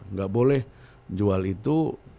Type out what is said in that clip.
enggak boleh jual itu